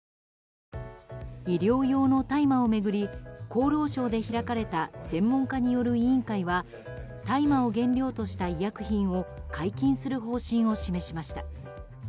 厚労省で開かれた専門家による委員会は大麻を原料とした医薬品を解禁する方針を示しました。